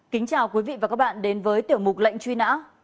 kính chào quý vị và các bạn đến với tiểu mục lệnh truy nã